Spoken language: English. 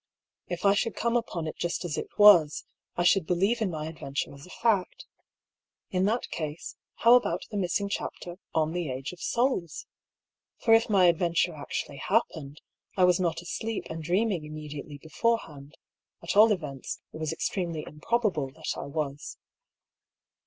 If I should come upon it just as it was, I should believe in my adventure as a fact. In that case, how about the missing chapter " On the Age of Souls "? For if my adventure actually happened, I was not asleep and dreaming immediately beforehand ; at all events, it was extremely improbable that I was.